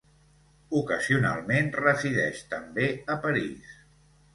Ocasionalment resideix també a París.